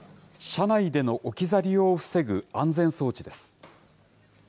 車内での置き去りを防ぐ安全装置です。